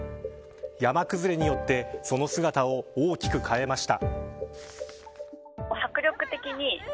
山崩れによってその姿を大きく変えました。